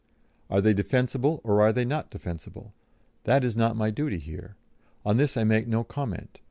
Are they defensible, or are they not defensible? That is not my duty here. On this I make no comment.